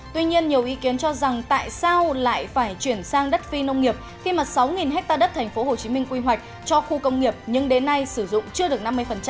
tuy nhiên nhiều ý kiến cho rằng tại sao lại phải chuyển sang đất phi nông nghiệp khi mà sáu ha đất tp hcm quy hoạch cho khu công nghiệp nhưng đến nay sử dụng chưa được năm mươi